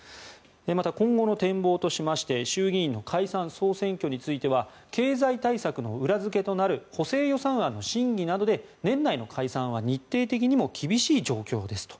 また、今後の展望としまして衆議院の解散・総選挙については経済対策の裏付けとなる補正予算案の審議などで年内の解散は日程的にも厳しい状況ですと。